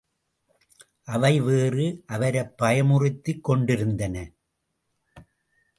அவை வேறு, அவரைப் பயமுறுத்திக் கொண்டிருந்தன.